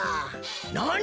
なに！？